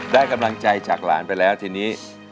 ได้กำลังใจจากหลานไปแล้วทีนี้